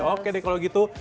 oke deh kalau gitu